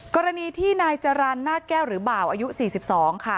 กรณีที่นายจรรย์หน้าแก้วหรือบ่าวอายุ๔๒ค่ะ